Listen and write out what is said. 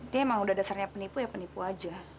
dia emang udah dasarnya penipu ya penipu aja